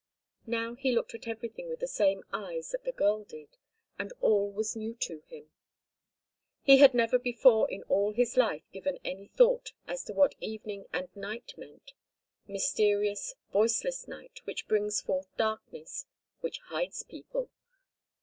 Now he looked at everything with the same eyes that the girl did, and all was new to him. He had never before in all his life given any thought as to what evening and night meant—mysterious, voiceless night, which brings forth darkness, which hides people.